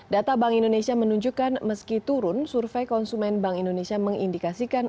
data bank indonesia menunjukkan meski turun survei konsumen bank indonesia mengindikasikan